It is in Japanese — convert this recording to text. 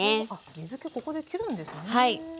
水けここできるんですね。